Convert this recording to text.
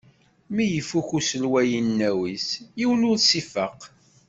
Mi ifukk uselway inaw-is, yiwen ur iseffeq.